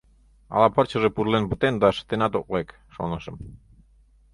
Ала пырчыже пужлен пытен да шытенат ок лек, шонышым.